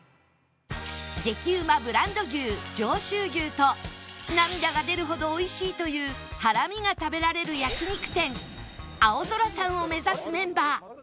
激うまブランド牛上州牛と涙が出るほどおいしいというハラミが食べられる焼肉店アオゾラさんを目指すメンバー